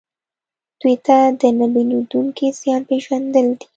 دوی ته د نه بدلیدونکي زیان پېژندل دي.